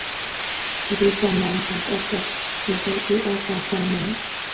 It is the namesake of the locality of the same name.